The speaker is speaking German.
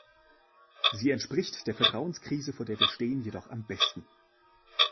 Sie entspricht der Vertrauenskrise, vor der wir stehen, jedoch am besten.